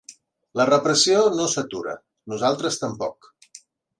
La repressió no s’atura, nosaltres tampoc.